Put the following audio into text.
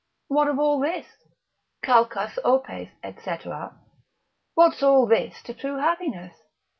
what of all this? calcas opes, &c., what's all this to true happiness?